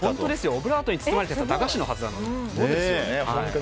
オブラートに包まれていた駄菓子のはずなのに。